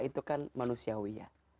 itu kan manusiawi